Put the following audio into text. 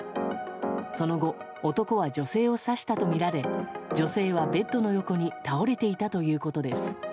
その後男は女性を刺したとみられ女性はベッドの横に倒れていたということです。